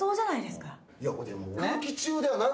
いやでも。